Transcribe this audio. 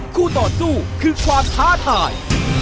คู่ต่อสู้คือความท้าทาย